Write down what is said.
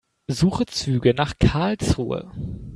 Suche Züge nach Karlsruhe.